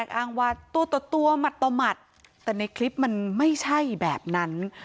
อ้างว่าตัวต่อตัวหมัดต่อหมัดแต่ในคลิปมันไม่ใช่แบบนั้น